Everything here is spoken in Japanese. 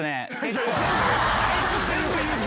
あいつ、全部言うぞ。